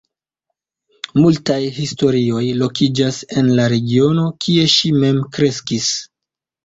Multaj historioj lokiĝas en la regiono, kie ŝi mem kreskis.